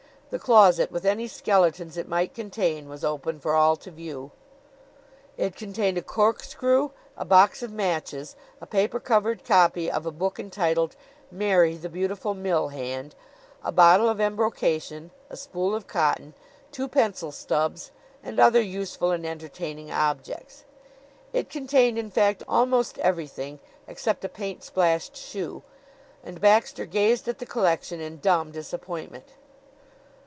The closet, with any skeletons it might contain, was open for all to view. It contained a corkscrew, a box of matches, a paper covered copy of a book entitled "Mary, the Beautiful Mill Hand," a bottle of embrocation, a spool of cotton, two pencil stubs, and other useful and entertaining objects. It contained, in fact, almost everything except a paint splashed shoe, and Baxter gazed at the collection in dumb disappointment.